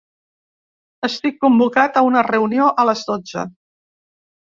Estic convocat a una reunió a les dotze.